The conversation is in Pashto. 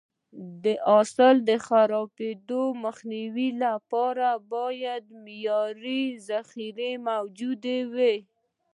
د حاصل د خرابېدو مخنیوي لپاره باید معیاري ذخیره موجوده وي.